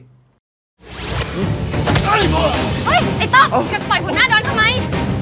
เฮ้ยไอ้ตอบอยากต่อยหัวหน้าโดนทำไม